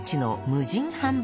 無人販売！